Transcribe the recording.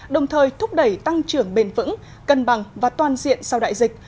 đồng thời thúc đẩy tăng trưởng bền vững cân bằng và toàn diện sau đại dịch